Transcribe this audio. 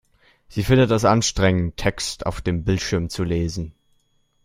Sie findet es anstrengend, Text auf dem Bildschirm zu lesen.